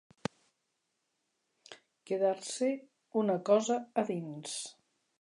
Quedar-se una cosa a dins.